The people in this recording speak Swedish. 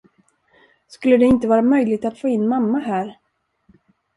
Skulle det inte vara möjligt att få in mamma här?